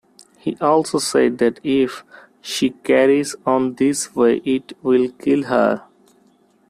He also said that if "she carries on this way it will kill her".